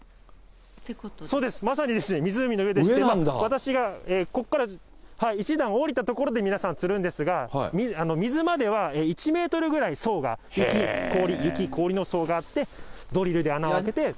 そうです、まさに湖の上でして、私がここから１段下りた所で皆さん釣るんですが、水までは１メートルぐらい層が、氷、雪、氷の層があって、ドリルで穴を開けて。